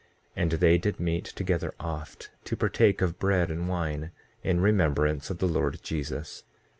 6:6 And they did meet together oft to partake of bread and wine, in remembrance of the Lord Jesus.